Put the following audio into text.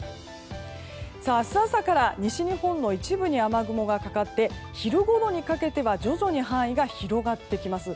明日朝から西日本の一部に雨雲がかかって昼ごろにかけては徐々に範囲が広まってきます。